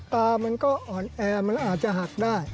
ตามันก็อ่อนแอมันอาจจะหักได้